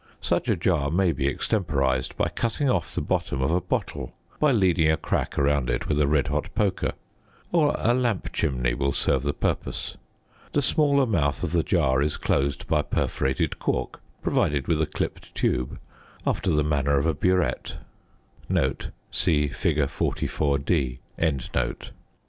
Such a jar may be extemporised by cutting off the bottom of a bottle by leading a crack around it with a red hot poker; or a lamp chimney will serve the purpose. The smaller mouth of the jar is closed by a perforated cork provided with a clipped tube after the manner of a burette (see fig. 44c).